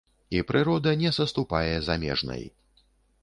І прырода не саступае замежнай.